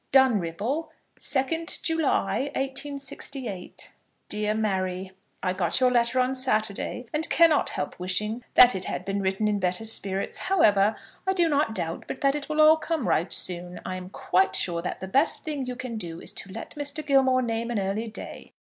Dunripple, 2nd July, 1868. DEAR MARY, I got your letter on Saturday, and cannot help wishing that it had been written in better spirits. However, I do not doubt but that it will all come right soon. I am quite sure that the best thing you can do is to let Mr. Gilmore name an early day.